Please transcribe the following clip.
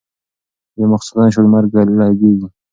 بيا ماخستن شو لمر لګېږي